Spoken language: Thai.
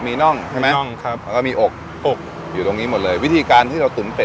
มีน่องใช่ไหมน่องครับแล้วก็มีอกอกอยู่ตรงนี้หมดเลยวิธีการที่เราตุ๋นเป็